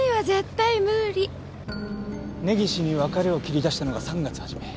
根岸に別れを切り出したのが３月初め。